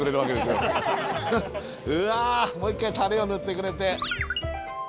うわもう一回タレを塗ってくれて。